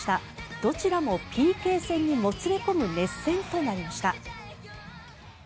どちらもＰＫ戦にもつれ込む熱戦となりました。